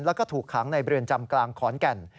แล้วก็ถูกขังในเรือนจำกลางขอนแก่น